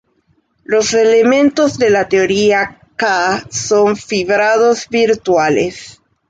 Los elementos de la teoría "K" son fibrados "virtuales".